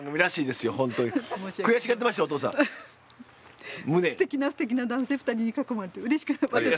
すてきなすてきな男性２人に囲まれてうれしく私が。